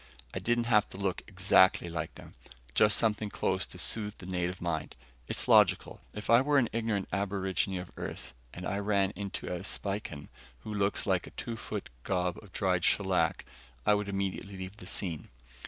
I didn't have to look exactly like them, just something close, to soothe the native mind. It's logical. If I were an ignorant aborigine of Earth and I ran into a Spican, who looks like a two foot gob of dried shellac, I would immediately leave the scene.